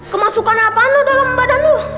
kemasukan apaan lo dalam badan lo